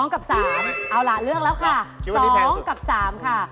กับ๓เอาล่ะเลือกแล้วค่ะ๒กับ๓ค่ะ